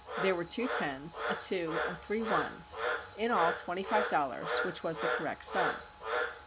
—There were two tens, a two, and three ones, in all twenty five dollars, which was the correct sum.